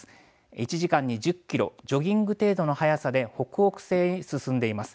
１時間に１０キロ、ジョギング程度の速さで北北西へ進んでいます。